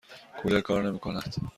کولر کار نمی کند.